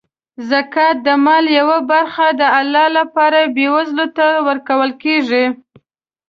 زکات د مال یوه برخه د الله لپاره بېوزلو ته ورکول کیږي.